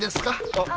あっ。